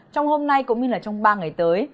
trong hôm nay cũng như trong ba ngày tới